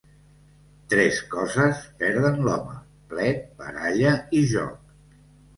Tres coses perden l'home: plet, baralla i joc.